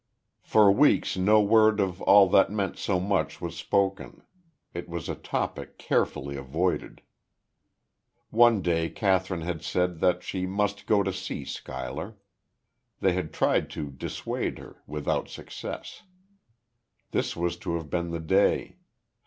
For weeks no word of all that meant so much was spoken; it was a topic carefully avoided. One day Kathryn had said that she must go to see Schuyler. They had tried to dissuade her; without success. This was to have been the day.